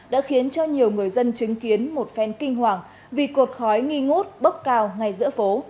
đã khiến cho nhiều người dân chứng kiến một phen kinh hoàng vì cột khói nghi ngút bốc cao ngay giữa phố